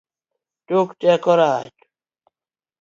Tok teko rach